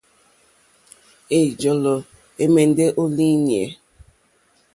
Ɛ̀njɔ́lɔ́ ɛ̀mɛ́ndɛ́ ó lìɲɛ̂.